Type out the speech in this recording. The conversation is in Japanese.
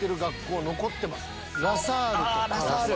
ラ・サールとか。